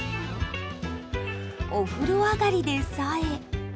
お風呂上がりでさえ。